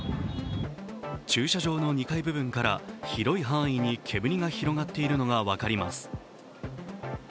駐車場の２階部分から広い範囲に煙が広がっているのが分かります。